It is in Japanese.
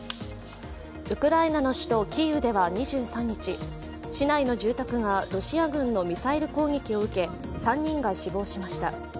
ウクライナの首都キーウでは２３日、市内の住宅がロシア軍のミサイル攻撃を受け３人が死亡しました。